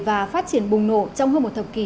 và phát triển bùng nổ trong hơn một thập kỷ